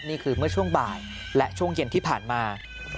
นี่คือเมื่อช่วงบ่ายและช่วงเย็นที่ผ่านมา